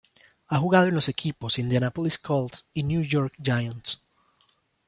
Ha jugado en los equipos Indianapolis Colts y New York Giants.